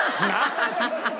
ハハハハ。